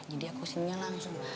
jadi aku isinya langsung